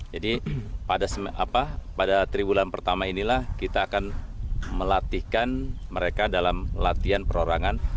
jadi pada tiga bulan pertama inilah kita akan melatihkan mereka dalam latihan perorangan